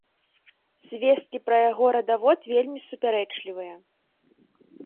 Звесткі пра яго радавод вельмі супярэчлівыя.